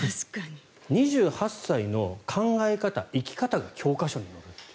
２８歳の考え方、生き方が教科書に載る。